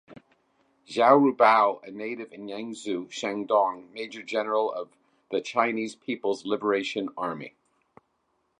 Zhao Ruibao, a native in Yanzhou, Shandong, Major General of the Chinese People's Liberation Army